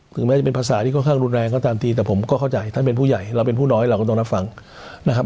แม้จะเป็นภาษาที่ค่อนข้างรุนแรงก็ตามทีแต่ผมก็เข้าใจท่านเป็นผู้ใหญ่เราเป็นผู้น้อยเราก็ต้องรับฟังนะครับ